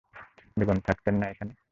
বেগম থাকতেন না এখানে?